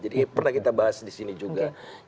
jadi pernah kita bahas di sini juga oke